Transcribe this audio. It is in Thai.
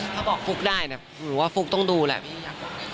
ถ้าบอกฟุ๊กได้นะหรือว่าฟุ๊กต้องดูแหละ